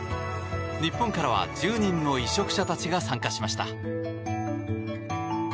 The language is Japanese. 日本からは１０人の移植者たちが参加しました。